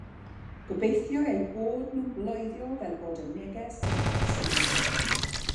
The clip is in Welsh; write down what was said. Gobeithio eu bod nhw'n bloeddio fel bod y neges yn atseinio.